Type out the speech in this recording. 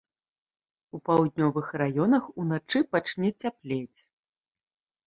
У паўднёвых раёнах уначы пачне цяплець.